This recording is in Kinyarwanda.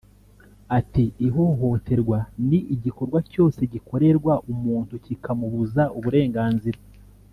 Ati “ ihohoterwa ni igikorwa cyose gikorerwa umuntu kikamubuza uburenganzira